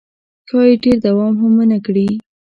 ښایي ډېر دوام هم ونه کړي.